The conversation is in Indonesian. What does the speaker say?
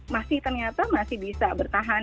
masih ternyata masih bisa bertahan